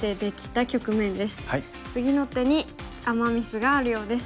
次の手にアマ・ミスがあるようです。